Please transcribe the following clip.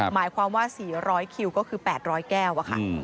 หมายความว่า๔๐๐คิวก็คือ๘๐๐แก้วค่ะ